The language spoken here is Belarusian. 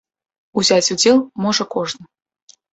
Узяць удзел можа кожны.